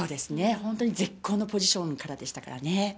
本当に絶好のポジションからでしたからね。